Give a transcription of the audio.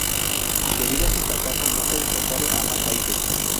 Debido a su fracaso, no fue exportado a más países.